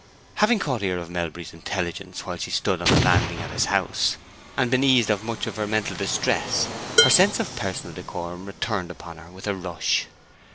Having caught ear of Melbury's intelligence while she stood on the landing at his house, and been eased of much of her mental distress, her sense of personal decorum returned upon her with a rush.